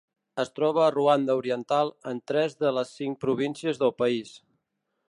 Es troba a Ruanda oriental en tres de les cinc províncies del país.